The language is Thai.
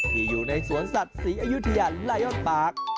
ที่อยู่ในสวนสัตว์สีอยุธยาไลยอนปาก